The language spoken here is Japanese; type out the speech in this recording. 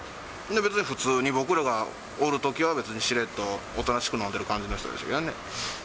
別に普通に、僕らがおるときは、別にしれっとおとなしく飲んでる感じの人でしたね。